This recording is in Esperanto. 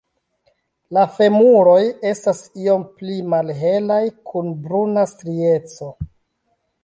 La femuroj estas iom pli malhelaj kun bruna strieco.